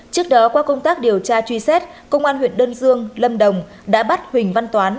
trước đó qua công tác điều tra truy xét công an huyện đơn dương lâm đồng đã bắt huỳnh văn toán